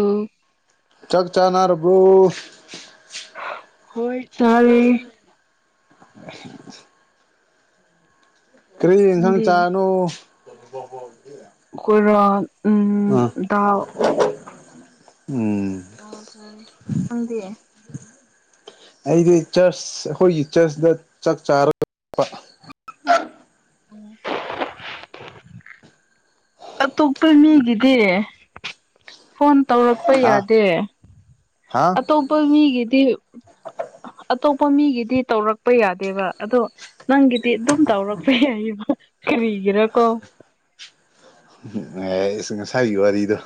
ꯎꯝ ꯆꯛ ꯆꯥꯅꯔꯕ꯭ꯔꯣ ꯍꯣꯏ ꯇ ꯆꯥꯔꯦ ꯂꯩ [unintelligible] ꯀꯔꯤ ꯌꯦꯟꯁꯥꯡ ꯅꯪꯗꯤ ꯆꯥꯅꯣ ꯑꯩꯈꯣꯏꯔꯣ ꯎꯝ ꯑꯥ ꯗꯥꯜ ꯎꯝ ꯗꯥꯜ ꯅꯪꯗꯤ ꯑꯩꯗꯤ ꯆꯔꯆ ꯑꯩꯈꯣꯏꯒꯤ ꯆꯔꯆ ꯇ ꯆꯥꯛ ꯆꯥꯔꯒ ꯑꯣꯝ [unintelligible] ꯑꯇꯣꯞꯄ ꯃꯤꯒꯤꯗꯤ ꯐꯣꯟ ꯇꯧꯔꯛꯄ ꯍꯥ ꯌꯥꯗꯦ ꯍꯥ ꯑꯇꯣꯞꯄ ꯃꯤꯒꯤꯗꯤ ꯑꯇꯣꯞꯄ ꯃꯤꯒꯤꯗꯤ ꯇꯧꯔꯛꯄ ꯌꯥꯗꯦꯕ ꯑꯗꯣ ꯅꯪꯒꯤꯗꯤ ꯑꯗꯨꯝ ꯇꯧꯔꯛꯄ ꯌꯥꯏꯌꯦꯕ ꯀꯔꯤꯒꯤꯔꯀꯣ ꯎꯝ ꯑꯦꯁ ꯉꯁꯥꯏꯒꯤ ꯋꯥꯔꯤꯗꯣ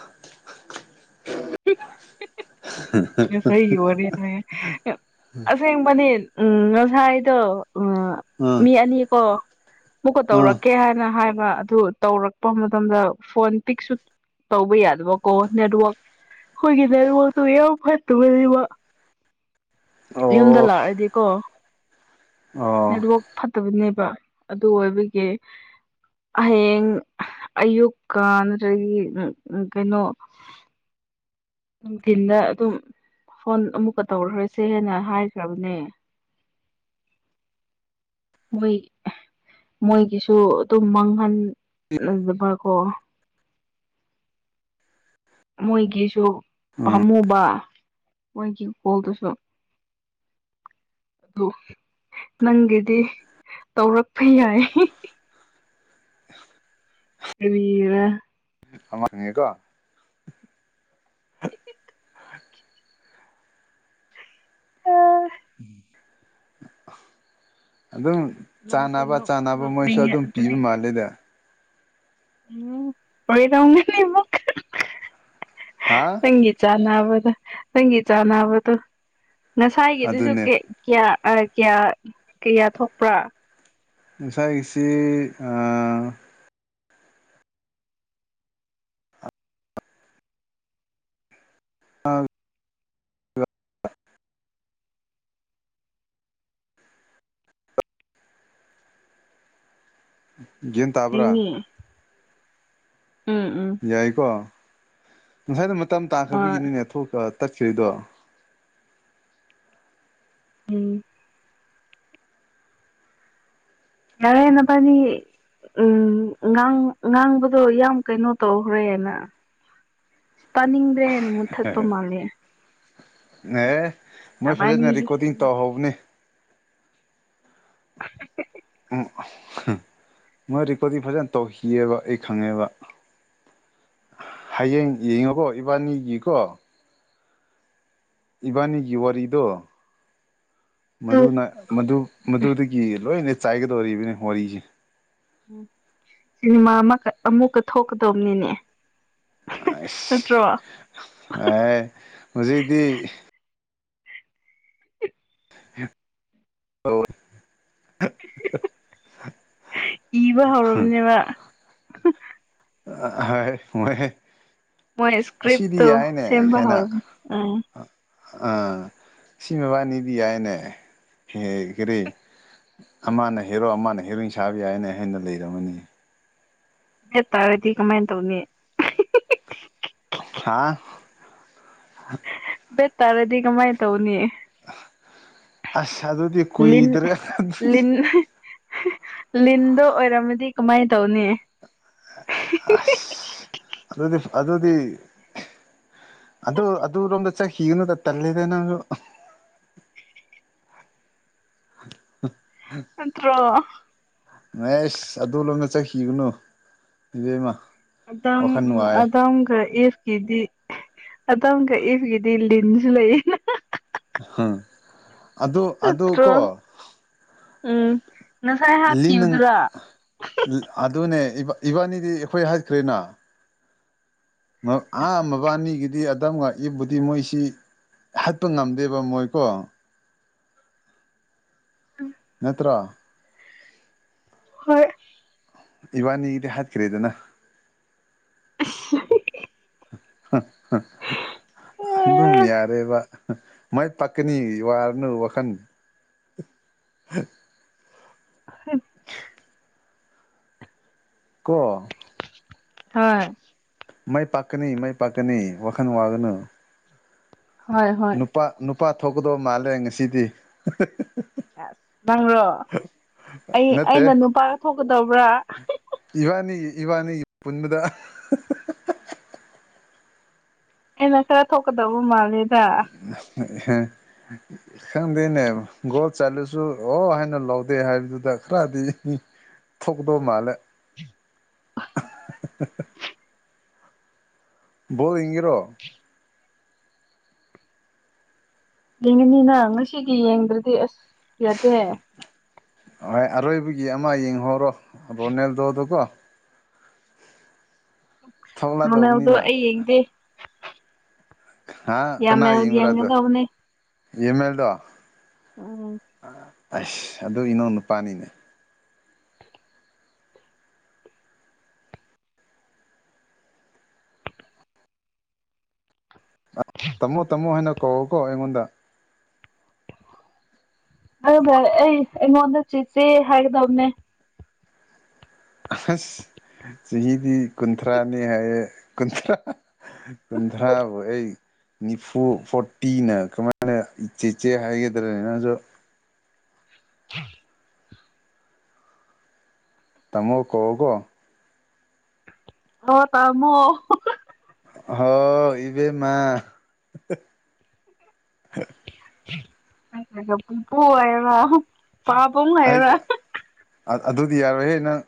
ꯎꯝ [unintelligible] ꯉꯁꯥꯏꯒꯤ ꯋꯥꯔꯤ ꯑꯁꯦꯡꯕꯅꯤ ꯎꯝ ꯉꯁꯥꯏꯗꯣ ꯑꯥ ꯃꯤ ꯑꯅꯤꯀꯣ ꯃꯨꯛꯀ ꯑꯥ ꯇꯧꯔꯛꯀꯦ ꯍꯥꯏꯅ ꯍꯥꯏꯕ ꯑꯗꯨ ꯇꯧꯔꯛꯄ ꯃꯇꯝꯗ ꯐꯣꯟ ꯄꯤꯛꯁꯨ ꯇꯧꯕ ꯌꯥꯗꯕ ꯀꯣ ꯅꯦꯠꯋꯥꯛ ꯑꯈꯣꯏꯒꯤ ꯅꯦꯠꯋꯥꯔꯛꯇꯣ ꯌꯥꯝ ꯐꯠꯇꯕꯅꯦꯕ ꯌꯨꯝꯗ ꯑꯣ ꯂꯥꯛꯑꯗꯤꯀꯣ ꯑꯣ ꯅꯦꯠꯋꯥꯛ ꯐꯠꯇꯕꯅꯦꯕ ꯑꯗꯨ ꯑꯣꯏꯕꯒꯤ ꯍꯌꯦꯡ ꯑꯌꯨꯛ ꯀꯥꯟꯗ꯭ꯔꯗꯤ ꯀꯩꯅꯣ [inaudible] ꯅꯨꯡꯊꯤꯟꯗ ꯑꯗꯨꯝ ꯐꯣꯟ ꯑꯃꯨꯛꯀ ꯇꯧꯈ꯭ꯔꯣꯁꯦ ꯍꯥꯏꯅ ꯍꯥꯏꯈ꯭ꯔꯕꯅꯦ ꯃꯣꯏ ꯃꯣꯏꯒꯤꯁꯨ ꯑꯗꯨꯝ ꯃꯥꯡꯍꯟꯗꯕꯀꯣ ꯃꯣꯏꯒꯤꯁꯨ ꯎꯝ ꯄꯥꯝꯃꯨꯕ ꯃꯣꯏꯒꯤ ꯀꯣꯜꯗꯨꯁꯨ ꯑꯗꯨ ꯅꯪꯒꯤꯗꯤ ꯇꯧꯔꯛꯄ ꯌꯥꯏ ꯀꯔꯤꯔ ꯑꯃꯥꯍꯡꯒꯦꯀꯣ [unintelligible] ꯑꯗꯨꯝ ꯅꯪꯁꯦ ꯆꯥꯅꯕ ꯅꯣꯛ ꯆꯥꯅꯕ ꯃꯣꯏꯁꯨ ꯅꯣꯛꯅꯤꯡꯉꯦ ꯑꯗꯨꯝ ꯑꯗꯨ ꯄꯤꯕ ꯃꯥꯜꯂꯦꯗ꯫ ꯎꯝ ꯑꯣꯏꯒꯗꯝꯅꯤ ꯑꯃꯨꯛ꯫ ꯍꯥꯥ꯫ ꯅꯪꯒꯤ ꯆꯥꯅꯕꯗꯣ ꯅꯪꯒꯤ ꯆꯥꯅꯕꯗꯣ ꯉꯁꯥꯏꯒꯤꯗꯨꯁꯨ ꯑꯗꯨꯅꯦ ꯀꯦ ꯀꯌꯥꯔ ꯑ ꯀꯌꯥꯔ ꯀꯌꯥ ꯊꯣꯛꯄ꯭ꯔꯥ꯫ ꯉꯁꯥꯏꯒꯤꯁꯤ ꯑꯥ [unintelligible] ꯒꯌꯦꯟ ꯇꯥꯕ꯭ꯔꯥ꯫ ꯐꯩꯅꯦ ꯎꯝ ꯎꯝ꯫ ꯌꯥꯏꯀꯣ ꯉꯁꯥꯏꯗꯣ ꯃꯇꯝ ꯍꯣꯏ ꯇꯥꯈ꯭ꯔꯕꯒꯤꯅꯤꯅꯦ ꯊꯣꯛ ꯑ ꯇꯠꯈ꯭ꯔꯤꯗꯣ꯫ ꯎꯝ꯫ ꯌꯥꯔꯦ ꯅꯕꯥꯅꯤ ꯎꯝ ꯉꯥꯡ ꯉꯥꯡꯕꯗꯣ ꯌꯥꯝ ꯀꯩꯅꯣ ꯇꯧꯈ꯭ꯔꯦꯅ꯫ ꯇꯥꯅꯤꯡꯗ꯭ꯔꯦꯅ ꯃꯨꯠꯊꯠꯄ ꯃꯥꯜꯂꯦ꯫ ꯅꯦ ꯃꯣꯏ ꯐꯖꯅ ꯅꯕꯥꯅꯤꯒꯤꯁꯦ ꯔꯦꯀꯣꯔꯗꯤꯡ ꯇꯧꯍꯧꯕꯅꯦ꯫ [unintelligible] ꯃꯣꯏ ꯔꯤꯀꯣꯔꯗꯤꯡ ꯐꯖꯅ ꯇꯧꯈꯤꯑꯦꯕ ꯑꯩ ꯈꯪꯉꯦꯕ꯫ ꯍꯌꯦꯡ ꯌꯦꯡꯉꯣꯀꯣ ꯏꯕꯥꯅꯤꯒꯤꯀꯣ꯫ ꯏꯕꯥꯅꯤꯒꯤ ꯋꯥꯔꯤꯔꯤꯗꯣ꯫ ꯃꯗꯨꯅ ꯃꯗꯨ ꯃꯗꯨꯗꯒꯤ ꯂꯣꯏꯅ ꯆꯥꯏꯒꯗꯧꯔꯤꯕꯅꯤ ꯋꯥꯔꯤꯁꯦ꯫ ꯎ ꯁꯤꯅꯦꯃꯥ ꯑꯃꯀ ꯑꯃꯨꯛꯀ ꯊꯣꯛꯀꯗꯕꯅꯤꯅꯦ꯫ ꯑꯁ ꯑꯦ ꯍꯧꯖꯤꯛꯇꯤ [unintelligible] ꯏꯕ ꯍꯧꯔꯕꯅꯦꯕ꯫ ꯍꯥꯏ ꯃꫭꯏ꯫ ꯃꯣꯏ ꯑꯁꯤꯗꯤ ꯏꯁꯀ꯭ꯔꯤꯞꯇꯣ ꯌꯥꯏꯅꯦ ꯁꯦꯝꯕ ꯍꯥꯏꯅ꯫ ꯍꯧꯔꯕꯅꯦ ꯎꯝ ꯁꯤ ꯃꯕꯥꯅꯤꯗꯤ ꯌꯥꯏꯅꯦ ꯍꯦ ꯀꯔꯤ꯫ ꯑꯃꯅ ꯍꯦꯔꯣ ꯑꯃꯅ ꯍꯦꯔꯣꯏꯟ ꯁꯥꯕ ꯌꯥꯏꯅ ꯍꯦꯟꯅ ꯂꯩꯔꯝꯃꯅꯤ꯫ ꯆꯠ ꯇꯥꯔꯗꯤ ꯀꯃꯥꯏꯅ ꯇꯧꯅꯤ꯫ ꯍꯥꯥ꯫ ꯕꯦꯠ ꯇꯥꯔꯗꯤ ꯀꯃꯥꯏꯅ ꯇꯧꯅꯤ꯫ ꯑꯁ ꯑꯗꯨꯗꯤ ꯂꯤꯟ ꯀꯨꯏꯗ꯭ꯔꯦ ꯑꯗꯨꯗꯤ꯫ ꯂꯤꯟ ꯂꯤꯟꯗꯣ ꯑꯣꯏꯔꯝꯃꯗꯤ ꯀꯃꯥꯏꯅ ꯇꯧꯅꯤ꯫ ꯑꯁ ꯑꯗꯨꯗꯤ ꯑꯗꯨꯗꯤ ꯑꯗꯨ ꯑꯗꯨ ꯔꫭꯝꯗ ꯆꯠꯈꯤꯒꯅꯨꯗ ꯇꯜꯂꯦꯗ ꯅꯪꯁꯨ꯫ [unintelligible] ꯅꯠꯇ꯭ꯔꯣ꯫ ꯑꯦꯁ ꯑꯗꯨ ꯂꯣꯝꯗ ꯆꯠꯈꯤꯒꯅꯨ ꯏꯕꯦꯝꯃ꯫ ꯑꯗꯝ ꯋꯥꯈꯜ ꯅꯨꯡꯉꯥꯏ ꯑꯗꯝꯒ ꯏꯐ ꯒꯤꯗꯤ ꯑꯗꯝꯒ ꯏꯤꯐꯒꯤꯗꯤ ꯂꯤꯟꯁꯨ ꯂꯩꯌꯦꯅ꯫ ꯍꯥ ꯑꯗ‌ꯣ ꯅꯠꯇ꯭ꯔꯣ ꯑꯗ‌ꯣꯀꯣ ꯎꯝ꯫ ꯉꯁꯥꯏ ꯂꯤ ꯅꯪ ꯍꯥꯠꯈꯤꯕꯗꯨꯔꯥ ꯑꯗꯨꯅꯦ ꯏꯕꯥ ꯏꯕꯥꯅꯤꯗꯤ ꯑꯩꯈꯣꯏ ꯍꯥꯏꯈ꯭ꯔꯦꯅꯥ꯫ ꯃ ꯑꯥ ꯃꯕꯥꯅꯤꯒꯤꯗꯤ ꯑꯗꯝꯒ ꯏꯐꯕꯨꯗꯤ ꯃꯣꯏꯁꯤ ꯍꯥꯠꯄ ꯉꯝꯗꯦꯕ ꯃꯣꯏꯀꯣ꯫ ꯎꯝ ꯅꯠꯇ꯭ꯔ ꯍꯣꯏ ꯏꯕꯟꯅꯤꯗꯤ ꯍꯥꯠꯈꯔꯦꯗꯅ [unintelligible] [unintelligible] ꯑꯗꯨꯝ ꯌꯥꯔꯦꯕ ꯃꯥꯏ ꯄꯥꯛꯀꯅꯤ ꯋꯥꯔꯅꯨ ꯋꯥꯈꯟ [unintelligible] ꯀꯣ ꯍꯣꯏ ꯃꯥꯏ ꯄꯥꯛꯀꯅꯤ ꯃꯥꯏ ꯄꯥꯛꯀꯅꯤ ꯋꯥꯈꯜ ꯋꯥꯒꯅꯨ ꯍꯣꯏ ꯍꯣꯏ ꯅꯨꯄꯥ ꯅꯨꯄꯥ ꯊꯣꯛꯀꯗꯧꯕ ꯃꯥꯜꯂꯦ ꯉꯁꯤꯗꯤ ꯅꯪꯔꯣ ꯑꯩ ꯑꯩꯅ ꯅꯠꯇꯦ ꯅꯨꯄꯥ ꯊꯣꯛꯀꯗꯧꯕ꯭ꯔꯥ ꯏꯕꯥꯅꯤ ꯏꯕꯥꯅꯤꯒꯤ ꯄꯨꯟꯕꯗ ꯑꯩꯅ ꯈꯔ ꯊꯣꯛꯀꯗꯧꯕ ꯃꯥꯜꯂꯦꯗ ꯈꯪꯗ‌ꯦꯅ‌ꯦ ꯒ‌ꯣꯜ ꯆꯠꯂꯁꯨ ꯁꯨ ꯑꯣ ꯍꯥꯏꯅ ꯂꯧꯗꯦ ꯍꯥꯏꯕꯗꯨꯗ ꯈꯔꯗꯤ ꯊꯣꯛꯗꯧ ꯃꯥꯜꯂꯦ ꯕ‌ꯣꯜ ꯌꯦꯡꯉꯤꯔꯣ ꯌꯦꯡꯒꯅꯤꯅ ꯉꯁꯤꯒꯤ ꯌꯦꯡꯗ꯭ꯔꯗꯤ ꯑꯁ ꯌꯥꯗꯦ ꯍꯣꯏ ꯑꯔꯣꯏꯕꯒꯤ ꯑꯃ ꯌꯦꯡꯍꯧꯔꯣ ꯔꯣꯅꯥꯜꯗꯣꯗ‌ꯣꯀꯣ ꯅꯣꯅꯥꯜꯗꯣ ꯊꯣꯛꯂꯗꯧꯕꯅꯤꯅ ꯑꯩ ꯌꯦꯡꯗꯦ ꯍꯥꯥ ꯀꯅꯥ ꯌꯥꯝꯃꯦꯜ ꯌ‌ꯦꯡꯕꯔ ꯑꯗꯨ ꯌꯦꯡꯒꯗꯧꯕꯅꯦ ꯌꯃꯦꯜꯗꯣ ꯎꯝ ꯑꯁ ꯑꯗꯨ ꯏꯅꯥꯎ ꯅꯨꯄꯥꯅꯤꯅꯦ ꯇꯝꯃꯣ ꯇꯝꯃꯣ ꯍꯥꯏꯅ ꯀꯧꯌ‌ꯣꯀꯣ ꯑꯩꯉꯣꯟꯗ ꯑꯗꯨꯒ ꯑꯩ ꯑꯩꯉꯣꯟꯗ ꯆꯤꯆꯦ ꯍꯥꯏꯒꯗꯕꯅꯦ ꯑꯁ ꯆꯍꯤꯗꯤ ꯀꯨꯟꯊ꯭ꯔꯥꯅꯤ ꯍꯥꯏꯌꯦ ꯀꯨꯟꯊ꯭ꯔꯥ ꯀꯨꯟꯊ꯭ꯔꯥ ꯕꯨ ꯑꯩ ꯅꯤꯐꯨ ꯐꯣꯔꯇꯤꯅ ꯀꯃꯥꯏꯅ ꯏꯆꯦꯆꯦ ꯍꯥꯏꯒꯗ꯭ꯔꯅ‌ꯦ ꯅꯪꯁꯨ [inaudible] ꯇꯥꯃꯣ ꯀꯧꯑꯣꯀ‌ꯣ ꯍ‌ꯣ ꯇꯥꯃꯣ ꯍꯥꯎ ꯏꯕ‌ꯦꯝꯃꯥ ꯏꯄꯨ ꯍꯥꯏꯌꯨꯔ‌ꯣ ꯄꯥꯕꯨꯡ ꯍꯥꯏꯌꯨꯔ ꯑ ꯑꯗꯨꯗꯤ ꯌꯥꯔꯣꯏꯍꯦ ꯅꯪ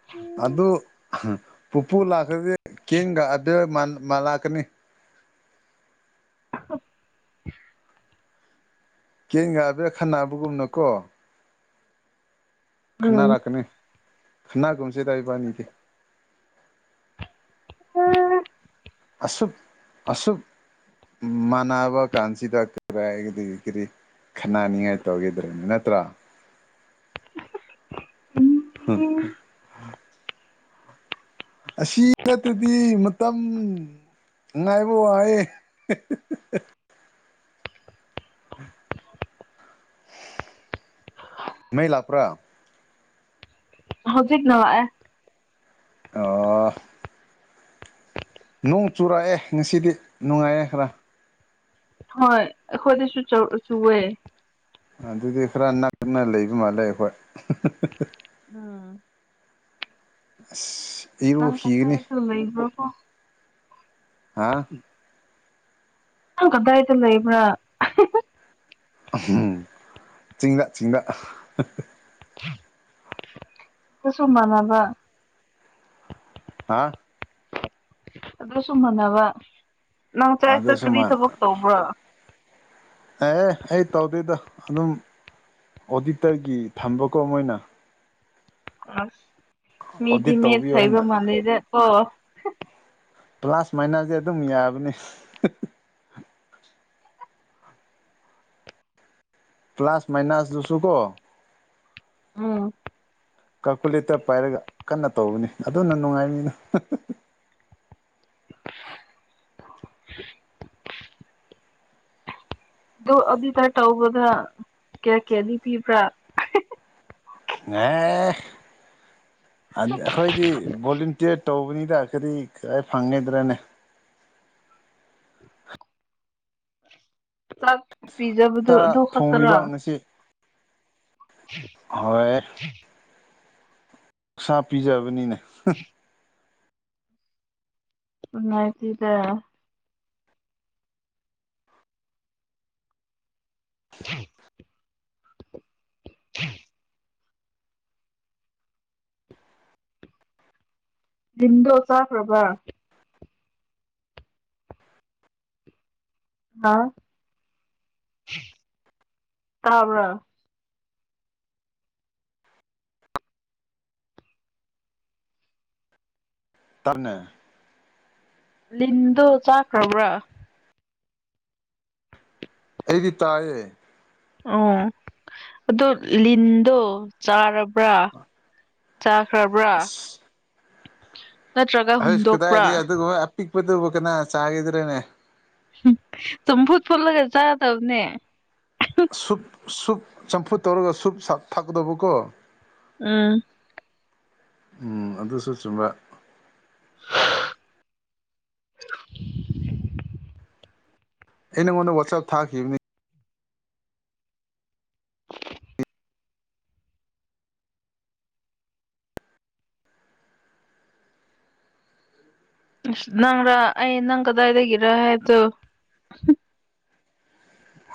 ꯏꯕ‌ꯦꯝ ꯑꯗꯨ ꯄꯨꯄꯨ ꯂꯥꯛꯈ꯭ꯔꯗꯤ ꯀꯦꯡꯒ ꯑꯗꯩ ꯃꯟ ꯃꯥꯜꯂꯛꯀꯅꯤ [inaudible] ꯀꯦꯡꯒ ꯑꯗꯨ ꯈꯠꯅꯒꯨꯝꯅꯀꯣ ꯎꯝ ꯈꯠꯅꯥꯔꯛꯀꯅꯤ ꯈꯠꯅꯥꯒꯨꯝꯁꯦꯗ ꯏꯕꯟꯅꯤꯗꯤ ꯎꯝ ꯑꯁꯨꯛ ꯑꯁꯨꯛ ꯃꯥꯟꯅꯕ ꯀꯥꯟꯁꯤꯗ ꯀꯒ ꯀꯔꯤ ꯀꯔꯤ ꯈꯠꯅꯅꯤꯡꯉꯥꯏ ꯇꯧꯈꯤꯗ꯭ꯔꯕ ꯅꯠꯇ꯭ꯔ ꯍꯝ ꯑꯁꯤ ꯅꯠꯇꯔꯗꯤ ꯃꯇꯝ ꯉꯥꯏꯕ ꯋꯥꯏꯌ‌ꯦ ꯎꯝ ꯃꯩ ꯂꯥꯛꯄ꯭ꯔꯥ? ꯍꯧꯖꯤꯛ ꯅ ꯂꯥꯛꯑꯦ ꯑꯣ ꯅꯣꯡ ꯆꯨꯔꯛꯑꯦ ꯉꯁꯤꯗꯤ ꯅꯨꯡꯉꯥꯏꯔꯦ ꯈꯔ ꯍꯣꯏ ꯑꯩꯈꯣꯏꯗꯁꯨ ꯆꯨ ꯆꯨꯑꯦ ꯑꯗꯨꯗꯤ ꯈꯔ ꯅꯛꯅ ꯂꯩꯕ ꯃꯥꯜꯂꯦ ꯑꯩꯈꯣꯏ ꯎꯝ ꯑꯁ ꯏꯔꯨ ꯅꯪ ꯈꯤꯒꯅꯤ [unintelligible] ꯏ꯭ꯔꯕꯣ ꯍꯥꯥ ꯅꯪ ꯀꯗꯥꯏꯇꯥ ꯂꯩꯕꯔ꯭? ꯎꯝꯍꯨ ꯆꯤꯡꯗꯥ ꯆꯤꯡꯗꯥ [inaudible] ꯗꯨꯁꯨ ꯃꯥꯅꯕ ꯍꯥ ꯑꯗꯨꯁꯨꯨ ꯃꯥꯟꯅꯅꯕ ꯫ ꯅꯪ ꯑꯗꯨ ꯆꯔꯆꯇ ꯀꯔꯤ ꯁꯨꯃꯥꯏ ꯊꯕꯛ ꯇꯧꯕ꯭ꯔꯥ? ꯑꯦ ꯑꯦ ꯑꯩ ꯇꯧꯗꯦꯗ ꯑꯗꯨꯝ ꯑꯣꯗꯤꯇꯔꯒꯤ ꯊꯝꯕꯀꯣ ꯃꯣꯏꯅ ꯑꯁ ꯃꯤꯗꯤ ꯑꯣꯗꯤꯠ ꯃꯦꯠꯁ ꯇꯧꯕꯤꯌꯣ ꯍꯩꯕꯥ ꯍꯥꯏꯅ ꯃꯥꯜꯂꯦꯗꯥ ꯀꯣ ꯫ ꯄ꯭ꯂꯥꯁ ꯃꯥꯏꯅꯗꯤ ꯑꯗꯨꯝ ꯌꯥꯕꯅꯦ꯫ ꯄ꯭ꯂꯁ ꯃꯥꯏꯅꯁ ꯗꯨꯁꯨ ꯀꯣ ꯎꯝ ꯀꯥꯜꯀꯨꯂꯦꯇꯔ ꯄꯥꯏꯔꯒ ꯀꯟꯅ ꯇꯧꯕꯅꯤ ꯑꯗꯨꯅ ꯅꯨꯡꯉꯥꯏꯔꯤꯅꯤ [inaudible] ꯗꯣ ꯑꯗꯨꯇꯥ ꯇꯧꯕꯗ ꯀꯌꯥ ꯀꯌꯥꯗꯤ ꯄꯤꯕ꯭ꯔꯥ? ꯑꯦ ꯑꯩꯈꯣꯏꯗꯤ ꯕꯣꯂꯨꯟꯇꯤꯌꯔ ꯇꯧꯕꯅꯤꯗ ꯀꯔꯤ ꯀꯌ ꯐꯪꯒꯗ꯭ꯔꯅꯦ ꯆꯥꯛ ꯄꯤꯖꯕꯗꯨ ꯁꯥ ꯑꯗꯨꯈꯛꯇꯔꯥ ꯍꯣꯏꯠ ꯁꯥꯥ ꯄꯤꯖꯕꯅꯤꯅꯦ [inaudible] ꯅꯨꯡꯉꯥꯏꯇꯦꯗꯥ ꯊꯦꯡ ꯂꯤꯟꯗꯣ ꯆꯥꯈ꯭ꯔꯕ꯭ꯔꯥ? ꯍꯥ ꯇꯥꯕ꯭ꯔ ꯇꯅꯦ ꯂꯤꯟꯗꯣ ꯆꯥꯈ꯭ꯔꯕ꯭ꯔꯥ? ꯑꯩꯗꯤ ꯇꯥꯏꯌꯦ ꯑꯣ ꯑꯗꯣ ꯂꯤꯟꯗꯣ ꯆꯥꯔꯕ꯭ꯔꯥ? ꯆꯥꯈ꯭ꯔꯕ꯭ꯔꯥ? ꯅꯠꯇ꯭ꯔꯒ ꯑꯁ ꯍꯨꯟꯗꯣꯛꯄ꯭ꯔꯥ ꯀꯗꯥꯏꯗꯒꯤ ꯑꯗꯨꯒꯨꯝꯕ ꯑꯄꯤꯛꯄꯗꯨꯕꯨ ꯀꯅꯥ ꯆꯥꯏꯌꯦꯗ꯭ꯔꯅꯦ ꯍꯨꯝ ꯆꯝꯐꯨꯠ ꯐꯨꯠꯂꯒ ꯆꯥꯗꯕꯅꯦ ꯁꯨꯞ ꯁꯨꯞ ꯆꯝꯐꯨꯠ ꯇꯧꯔꯒ ꯁꯨꯨꯞ ꯊꯥꯛꯀꯗꯧꯕꯀꯣ ꯎꯝ ꯎꯝ ꯑꯗꯨꯁꯨ ꯆꯨꯝꯕ ꯑꯩ ꯅꯪꯉꯣꯟꯗ ꯋꯥꯆꯞ ꯊꯥꯈꯤꯕꯅꯦ ꯑꯁ ꯅꯪꯔ ꯑꯩ ꯅꯪ ꯀꯗꯥꯏꯗꯒꯤꯔ ꯍꯥꯏꯕꯗꯣ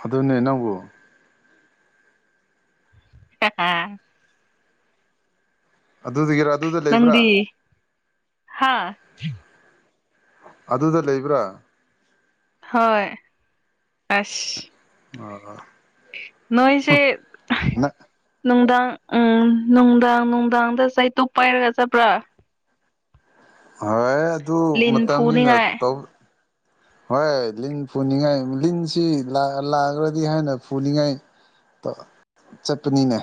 ꯑꯗꯨꯅꯦ ꯅꯪꯕꯣ ꯍꯥ ꯑꯗꯨꯗꯨꯒꯤꯔ ꯑꯗꯨ ꯅꯪꯗꯤ ꯍꯥ ꯑꯗꯨꯗ ꯂꯩꯕ꯭ꯔꯥ ꯍꯣꯏ ꯑꯁ ꯑꯣ ꯅꯣꯏꯁꯦ ꯅꯨꯡꯗꯥꯡ ꯎꯝ ꯅꯨꯡꯗꯥꯡ ꯅꯨꯡꯗꯥꯡꯗ ꯆꯩꯇꯨꯄ ꯄꯥꯏꯔꯒ ꯆꯠꯄ꯭ꯔꯥ ꯍꯣꯏ ꯑꯗꯨ ꯂꯤꯟ ꯃꯇꯝꯅꯤꯅ ꯐꯨꯅꯤꯡꯉꯥꯏ ꯇꯧ ꯍꯣꯏ ꯂꯤꯟ ꯐꯨꯅꯤꯡꯉꯥꯏ ꯂꯤꯟꯁꯤ ꯂꯥꯛ ꯂꯥꯛꯂꯥꯗꯤ ꯍꯥꯏꯅ ꯐꯨꯅꯤꯡꯉꯥꯏ ꯇꯣ ꯆꯠꯄꯅꯤꯅꯦ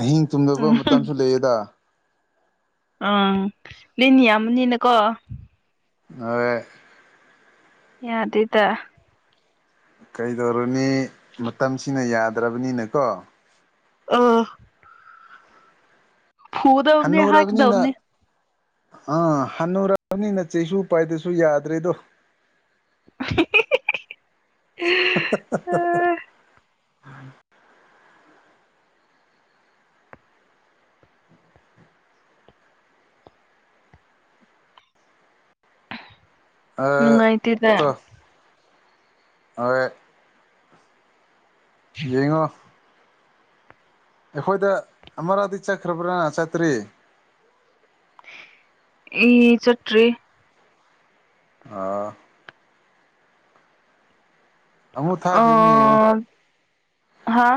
ꯑꯍꯤꯡ ꯇꯨꯝꯗꯕ ꯎꯝ ꯃꯇꯝꯁꯨ ꯂꯩꯌꯦꯗ ꯑꯪ ꯂꯤꯅꯟ ꯌꯥꯝꯕꯅꯤꯅꯥꯀꯣ ꯑꯥꯌꯦ ꯌꯥꯗꯦꯗꯥ ꯀꯩꯗꯧꯔꯨꯅꯤ ꯃꯇꯝꯁꯤꯅ ꯌꯥꯗ꯭ꯔꯕꯅꯤꯅꯀꯣ ꯑꯣ ꯐꯨꯗꯕꯅꯦ ꯍꯟꯅꯨꯔꯕꯅꯤꯅ ꯍꯥꯠꯀꯗꯕꯅꯦ ꯍꯥ ꯍꯟꯅꯨꯔꯛꯔꯕꯅꯤꯅ ꯆꯩꯁꯨ ꯄꯥꯏꯗ꯭ꯔꯁꯨ ꯌꯥꯗ꯭ꯔꯦꯗꯣ [inaudible] [inaudible] ꯑꯥ ꯅꯨꯡꯉꯥꯏꯇꯦꯗ ꯇꯣ ꯍꯣꯏ ꯌꯦꯡꯉꯣ ꯑꯩꯈꯣꯏꯗ ꯑꯃꯔꯛꯗꯤ ꯆꯠꯈ꯭ꯔꯕ꯭ꯔꯥ ꯆꯠꯇ꯭ꯔꯤ ꯏ ꯆꯠꯇ꯭ꯔꯤ ꯑꯣ ꯑꯃꯨꯛ ꯊꯥꯈꯤꯕꯅꯤ ꯌꯦꯡꯉꯣ ꯑꯥ ꯍꯥ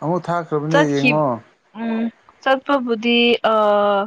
ꯑꯃꯨꯛ ꯊꯥ ꯆꯠꯈꯤꯞ ꯎꯝ ꯆꯠꯄꯕꯨꯗꯤ ꯑꯥ